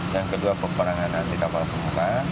yang kedua keperangan anti kapal permukaan